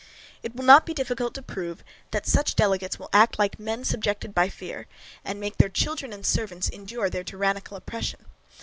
It will not be difficult to prove, that such delegates will act like men subjected by fear, and make their children and servants endure their tyrannical oppression.